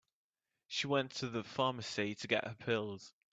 She went to the pharmacy to get her pills.